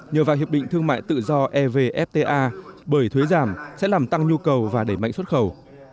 nhờ vào hiệp định thương mại tự do evfta bởi thuế giảm sẽ làm tăng nhu cầu và đẩy mạnh xuất khẩu